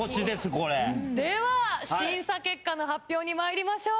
では審査結果の発表にまいりましょう。